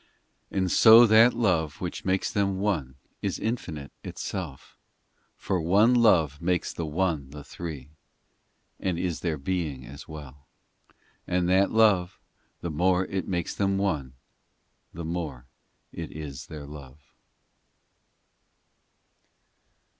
XI And so that Love which makes Them One Is Infinite Itself; For one. Love make One the Three, And is their Being as well, And that Love the more it makes Them One The more It is Their Love.